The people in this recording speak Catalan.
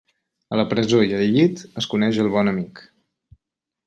A la presó i al llit es coneix el bon amic.